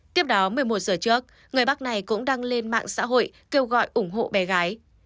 tiếp đó một mươi một h trước người bác này cũng đang lên mạng xã hội kêu gọi ủng hộ gia đình mình